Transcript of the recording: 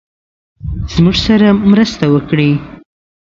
زموږ سره مرسته وکړی.